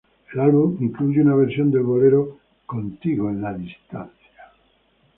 El álbum incluye una versión del bolero "Contigo en la Distancia".